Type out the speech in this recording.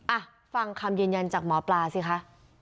อ่ะฟังคำยืนยันจากหมอปลาสิคะ